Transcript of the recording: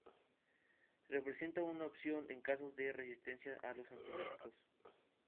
Representa una opción en casos de resistencia a los antibióticos.